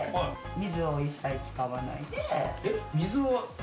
水を一切使わない？